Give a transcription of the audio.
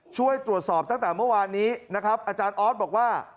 ช่วยตรวจสอบตั้งแต่เมื่อวานนี้นะครับอาจารย์ออสบอกว่า